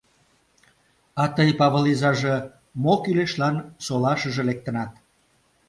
— А тый, Павыл изаже, мо кӱлешлан солашыже лектынат?